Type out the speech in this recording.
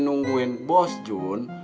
nungguin bos jun